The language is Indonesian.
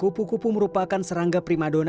kupu kupu merupakan salah satu representatif serangga